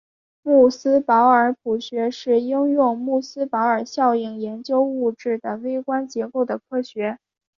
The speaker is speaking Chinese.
穆斯堡尔谱学是应用穆斯堡尔效应研究物质的微观结构的学科。